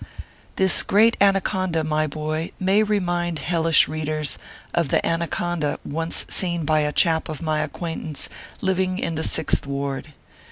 This great anaconda, my boy, may remind hellish readers of the anaconda once seen by a chap of my acquaintance living in the Sixth Ward.